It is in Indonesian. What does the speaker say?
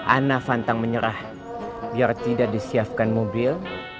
ana pantang menyerah biar tidak disiapkan mobil